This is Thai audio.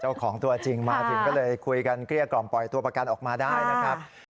เจ้าของตัวจริงมาถึงก็เลยคุยกันเกลี้ยกล่อมปล่อยตัวประกันออกมาได้นะครับ